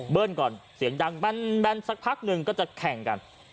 ก่อนเสียงดังแบนสักพักหนึ่งก็จะแข่งกัน